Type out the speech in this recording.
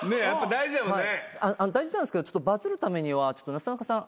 大事なんすけどちょっとバズるためにはなすなかさん